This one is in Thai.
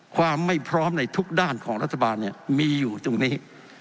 ความไม่พร้อมในทุกด้านของรัฐบาลมีอยู่ตรงนี้